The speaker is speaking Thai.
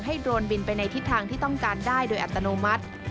โดรนบินไปในทิศทางที่ต้องการได้โดยอัตโนมัติ